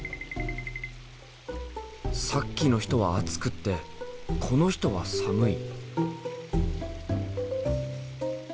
さっきの人は熱くってこの人は寒い。